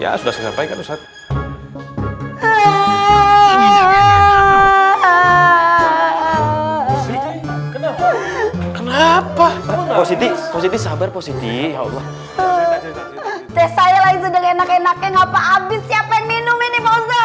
kenapa positi positi sabar positi ya allah saya enak enak enak enggak abis siapa yang minum ini